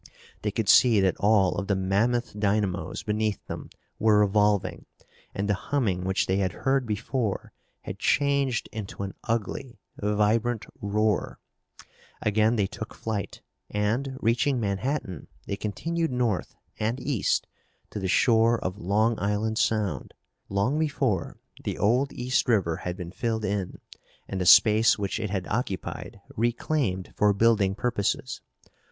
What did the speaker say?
They could see that all of the mammoth dynamos beneath them were revolving and the humming which they had heard before had changed into an ugly, vibrant roar. Again they took flight and, reaching Manhattan, they continued north and east to the shore of Long Island Sound. Long before the old East River had been filled in and the space which it had occupied reclaimed for building purposes.